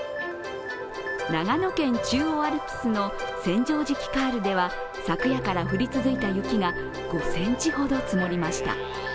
長野県、中央アルプスの千畳敷カールでは昨夜から降り続いた雪が５ｃｍほど積もりました。